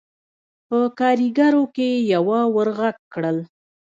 په کارېګرو کې يوه ور غږ کړل: